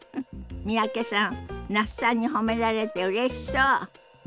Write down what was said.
三宅さん那須さんに褒められてうれしそう。